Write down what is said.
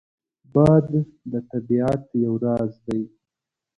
باد د طبیعت یو راز دی